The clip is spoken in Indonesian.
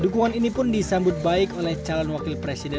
dukungan ini pun disambut baik oleh calon wakil presiden